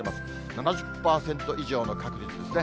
７０％以上の確率ですね。